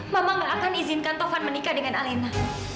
mama nggak akan izinkan tovan menikah dengan elena